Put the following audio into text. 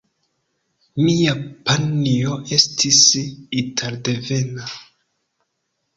Mia panjo estis italdevena.